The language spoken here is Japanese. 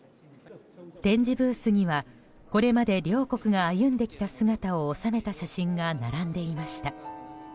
展示ブースにはこれまで両国が歩んできた姿を収めた写真が並んでいました。